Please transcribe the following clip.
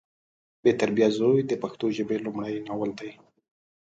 بې تربیه زوی د پښتو ژبې لمړی ناول دی